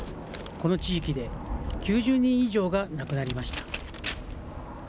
この地域で９０人以上が亡くなりました。